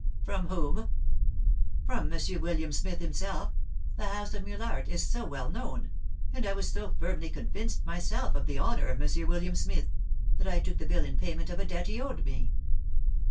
"From whom?" "From M. William Smith himself; the house of Meulaert is so well known, and I was so firmly convinced myself of the honour of M. William Smith, that I took the bill in payment of a debt he owed me."